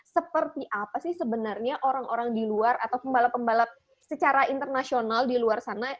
seperti apa sih sebenarnya orang orang di luar atau pembalap pembalap secara internasional di luar sana